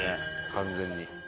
完全に。